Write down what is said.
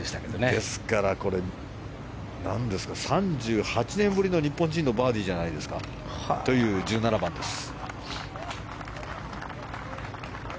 ですから、何ですか３８年ぶりの日本人のバーディーです。という１７番です。